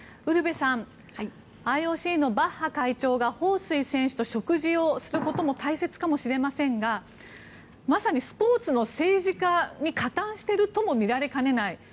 ウルヴェさんＩＯＣのバッハ会長がホウ・スイ選手と食事することも大切かもしれませんがまさにスポーツの政治化に加担しているとも見られかねない。